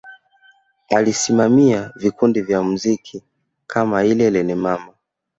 Alisimamia vikundi vya muziki kama ile Lelemama